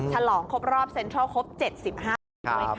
ฉลองครบรอบเซ็นทรัลครบ๗๕ปีด้วยค่ะ